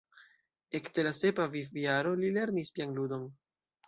Ekde la sepa vivjaro li lernis pianludon.